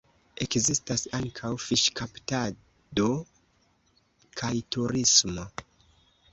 Ekzistas ankaŭ fiŝkaptado kaj turismo.